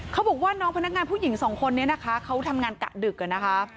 เขาบอกว่าน้องพนักงานผู้หญิงสองคนนี้นะคะเขาทำงานกะดึกนะคะ